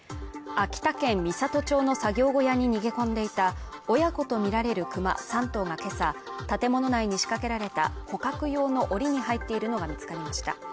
秋田県美郷町の作業小屋に逃げ込んでいた親子とみられるクマ３頭が今朝、建物内に仕掛けられた捕獲用の檻に入っているのが見つかりました